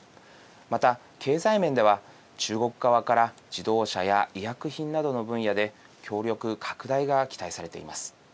また、経済面では中国側から自動車や医薬品などの分野で協力、拡大が期待されています。